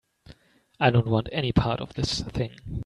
I don't want any part of this thing.